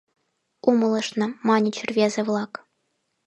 — Умылышна, — маньыч рвезе-влак.